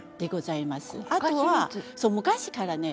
あとは昔からね